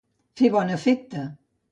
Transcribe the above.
Fer bon efecte.